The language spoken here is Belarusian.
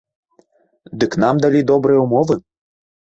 Дык нам далі добрыя ўмовы.